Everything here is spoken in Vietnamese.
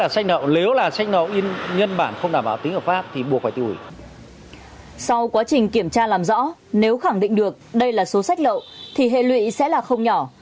sau quá trình kiểm tra làm rõ nếu khẳng định được đây là số sách lậu thì hệ lụy sẽ là không nhỏ